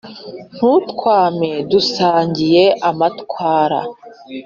ntuntwame dusangiye amatwara